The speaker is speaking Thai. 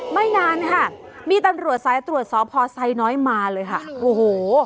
ไม่นานค่ะมีตำรวจสายตรวจสพไซน้อยมาเลยค่ะโอ้โห